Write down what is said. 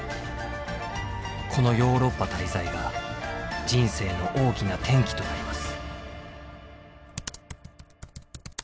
このヨーロッパ滞在が人生の大きな転機となります。